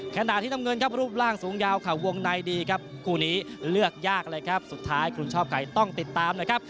ขณะที่น้ำเงินครับรูปร่างสูงยาวค่ะวงในดีครับคู่นี้เลือกยากเลยครับสุดท้ายคุณชอบไก่ต้องติดตามนะครับ